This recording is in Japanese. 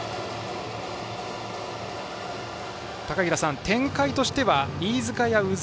高平さん、展開としては飯塚や鵜澤